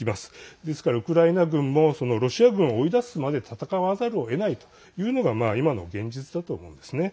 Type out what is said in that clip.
ですから、ウクライナ軍もロシア軍を追い出すまで戦わざるをえないというのが今の現実だと思うんですね。